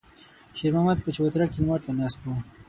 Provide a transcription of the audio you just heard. شېرمحمد په چوتره کې لمر ته ناست و.